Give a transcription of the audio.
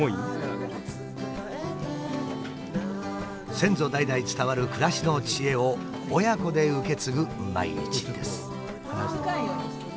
先祖代々伝わる暮らしの知恵を親子で受け継ぐ毎日です。